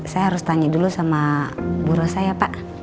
saya harus tanya dulu sama buro saya pak